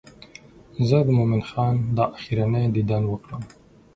زه د مومن خان دا آخرنی دیدن وکړم.